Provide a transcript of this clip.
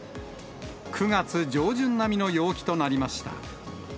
９月上旬並みの陽気となりました。